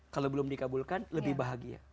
kalau belum dikabulkan lebih bahagia